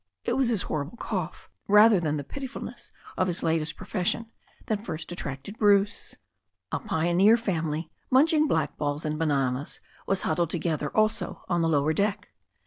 It was his horrible cough, rather than the piti fulness of his latest profession, th?it first attracted Bruce. A pioneer family, munching blackballs and bananas, was huddled together, also on the lower deck.